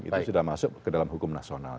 itu sudah masuk ke dalam hukum nasional